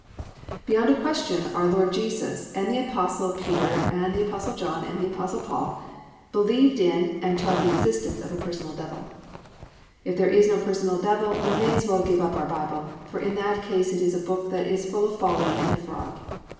Beyond a question our Lord Jesus, and the Apostle Peter and the Apostle John and the Apostle Paul believed in and taught the existence of a personal Devil. If there is not a personal Devil we may as well give up our Bible, for in that case it is a book that is full of folly and of fraud.